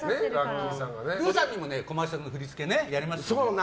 ルーさんにもコマーシャルの振り付けやりましたね。